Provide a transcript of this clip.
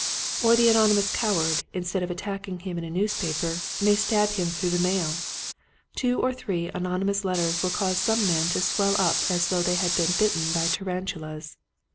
Or the anonymous coward instead of attacking him in a newspaper may stab him through the mail. Two or three an onymous letters will cause some men to swell up as though they had been bitten by tarantulas.